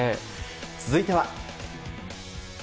続いては。